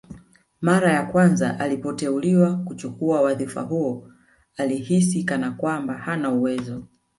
Mara ya kwanza alipoteuliwa kuchukua wadhfa huo alihisi kana kwamba hana uwezo